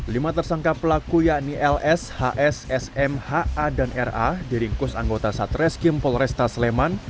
lima tersangka pelaku yakni ls hs sm ha dan ra diringkus anggota satreskrim polresta sleman